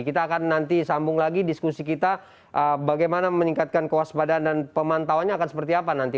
kita akan nanti sambung lagi diskusi kita bagaimana meningkatkan kewaspadaan dan pemantauannya akan seperti apa nanti